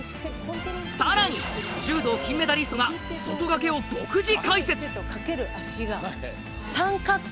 更に柔道金メダリストが外掛けを独自解説！